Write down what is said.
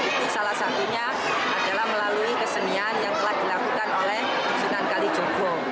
itu salah satunya adalah melalui kesenian yang telah dilakukan oleh sunan kalijoggo